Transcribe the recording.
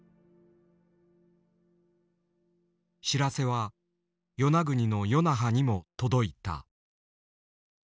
知らせは与那国の与那覇にも届いた。